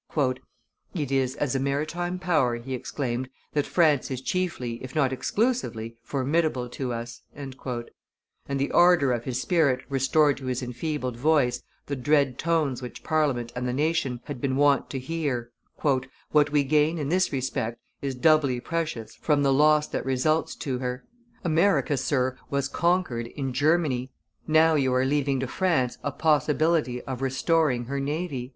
"It is as a maritime power," he exclaimed, "that France is chiefly if not exclusively formidable to us;" and the ardor of his spirit restored to his enfeebled voice the dread tones which Parliament and the nation had been wont to hear "what we gain in this respect is doubly precious from the loss that results to her. America, sir, was conquered in Germany. Now you are leaving to France a possibility of restoring her navy."